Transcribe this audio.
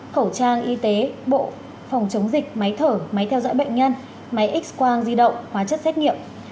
khẩu trang y tế bộ phòng chống dịch máy thở máy theo dõi bệnh nhân máy x quang di động hóa chất xét nghiệm